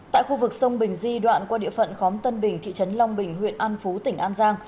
tại khu vực sông bình di đoạn qua địa phận khóm tân bình thị trấn long bình huyện an phú tỉnh an giang